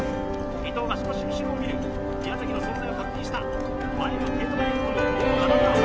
伊藤が少し後ろを見る宮崎の存在を確認した前の帝都大学とももう７秒差